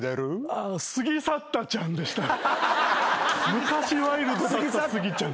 昔ワイルドだったスギちゃん。